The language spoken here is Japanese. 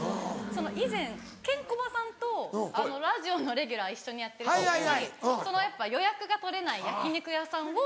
以前ケンコバさんとラジオのレギュラー一緒にやってる時に予約が取れない焼き肉屋さんを。